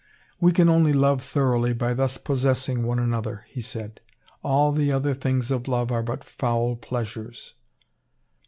"We can only love thoroughly by thus possessing one another," he said. "All the other things of love are but foul pleasures."